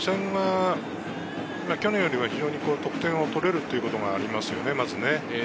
去年より打線が得点を取れるということが、まずありますよね。